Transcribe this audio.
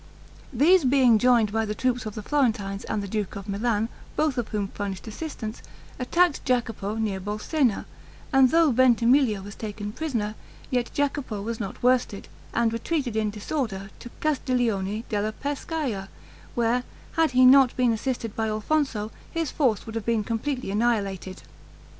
These being joined by the troops of the Florentines and the duke of Milan, both of whom furnished assistance, attacked Jacopo, near Bolsena, and though Ventimiglia was taken prisoner, yet Jacopo was worsted, and retreated in disorder to Castiglione della Pescaia, where, had he not been assisted by Alfonso, his force would have been completely annihilated.